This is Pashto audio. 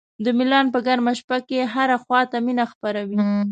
د میلان په ګرمه شپه کې هره خوا ته مینه خپره وي.